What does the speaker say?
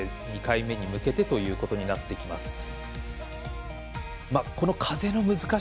２回目に向けてということになってきます。